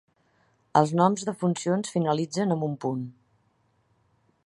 Els noms de funcions finalitzen amb un punt.